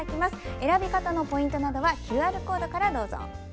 選び方のポイントなどはＱＲコードからどうぞ。